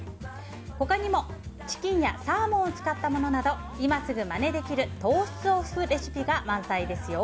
他にも、チキンやサーモンを使ったものなど今すぐ、まねできる糖質オフレシピが満載ですよ。